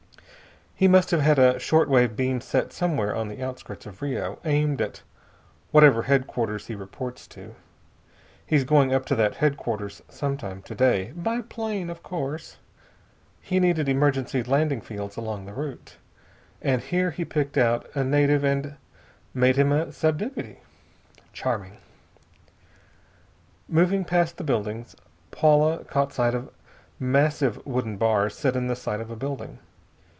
He must have had a short wave beam set somewhere on the outskirts of Rio, aimed at whatever headquarters he reports to. He's going up to that headquarters some time to day, by plane, of course. He needed emergency landing fields along the route, and here he picked out a native and made him a sub deputy. Charming...." Moving past the buildings, Paula caught sight of massive wooden bars set in the side of a building.